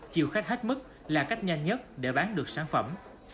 chiều khách hết mức là cách nhanh nhất để bán được sản phẩm